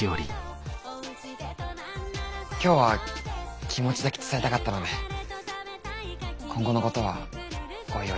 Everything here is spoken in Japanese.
今日は気持ちだけ伝えたかったので今後のことはおいおい。